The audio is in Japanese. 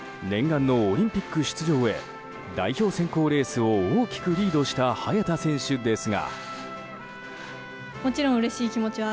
念願のオリンピック出場へ代表選考レースを大きくリードした早田選手ですが。